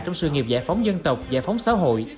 trong sự nghiệp giải phóng dân tộc giải phóng xã hội